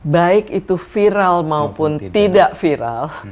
baik itu viral maupun tidak viral